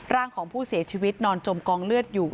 ร่างของผู้เสียชีวิตนอนจมกองเลือดอยู่